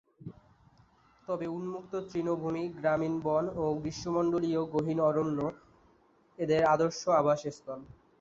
তবে উন্মুক্ত তৃণভূমি, গ্রামীণ বন ও গ্রীষ্মমণ্ডলীয় গহীন অরণ্য এদের আদর্শ আবাসস্থল।